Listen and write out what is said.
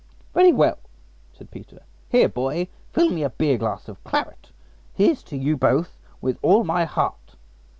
"Very well," said Peter. "Here, boy, fill me a beer glass of claret. Here's to you both with all my heart."